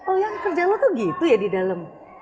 oh yang kerja lo tuh gitu ya di dalam